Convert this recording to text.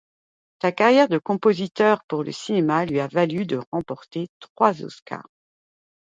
Sa carrière de compositeur pour le cinéma lui a valu de remporter trois Oscars.